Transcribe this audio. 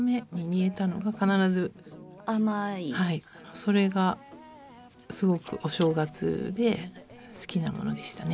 それがすごくお正月で好きなものでしたね。